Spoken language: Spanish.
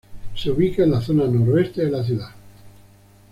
Se ubica en la zona noroeste de la ciudad.